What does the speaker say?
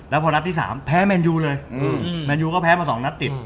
แล้วพอนัดที่๓แพ้แมนยูเลยแมนยูก็แพ้มา๒นัดติด